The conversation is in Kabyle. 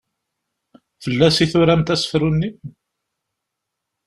Fell-as i turamt asefru-nni?